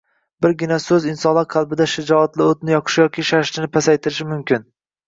Birgina so‘z insonlar qalbida shijoat o‘tini yoqishi yoki shashtini pasaytirishi mumkin.